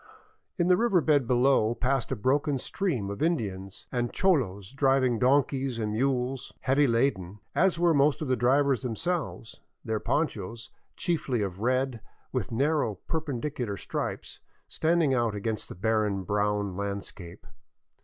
In the river bed below passed a broken stream of Indians and cholos driving donkeys and mules, heavy laden, as were most of the drivers themselves, their ponchos, chiefly of red with nar row perpendicular stripes, standing out against the barren brown land scape.